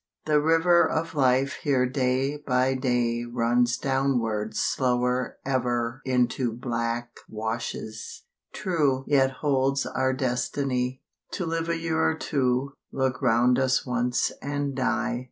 The river Of life here day by day Runs downward slower ever Into black washes. True Yet holds our destiny— To live a year or two, Look round us once and die.